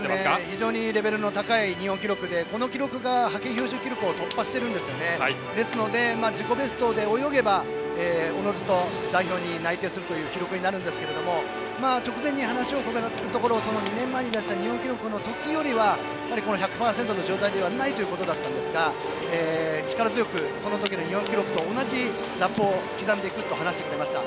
非常にレベルの高い日本記録で、この記録が派遣標準記録を突破していますので自己ベストで泳げばおのずと代表に内定する記録になるんですが直前に話を伺ったところ２年前の日本記録のときよりは１００％の状態ではないということですが力強く、その時の日本記録と同じラップを刻んでいくと話してくれました。